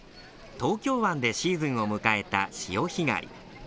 東京湾でシーズンを迎えた潮干狩り。